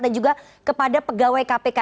dan juga kepada pegawai kpk